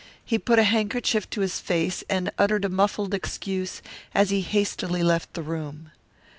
He put a handkerchief to his face and uttered a muffled excuse as he hastily left the room.